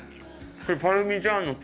これパルミジャーノと？